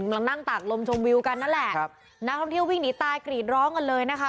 กำลังนั่งตากลมชมวิวกันนั่นแหละครับนักท่องเที่ยววิ่งหนีตายกรีดร้องกันเลยนะคะ